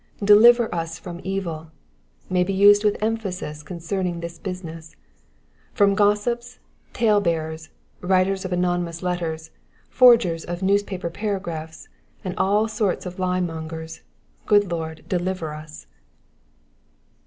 *' Deliver us from evil,^' may be used with emphasis coDcerning this business. From gossips, talebearers, writers of anonymous letters, forgers of news* paper paragraphs, and all sorts of liemongers, good Lord deliver us